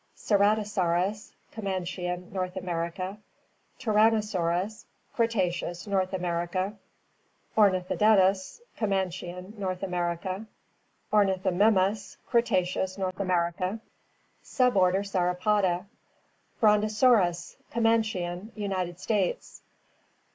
* Ceratosaurus — Comanchian; North America. * Tyrannosaurus — Cretaceous; North America. * Ornithdestes — Comanchian; North America. * Ornithomimus — Cretaceous; North America. Suborder Sauropoda * Brontosaurus — Comanchian; United States.